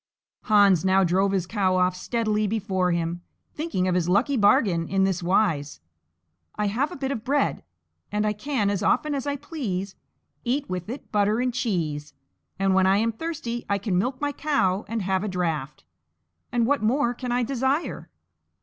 Hans now drove his cow off steadily before him, thinking of his lucky bargain in this wise: "I have a bit of bread, and I can, as often as I please, eat with it butter and cheese, and when I am thirsty I can milk my cow and have a draught: and what more can I desire?"